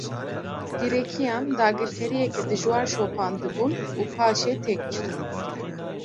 Grekiyan, dagirkeriyeke dijwar şopandibûn û paşê têk çûn